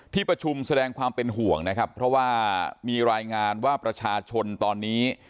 ที่ประชุมแสดงความเป็นห่วงนะครับเพราะว่ามีรายงานว่าประชาชนตอนนี้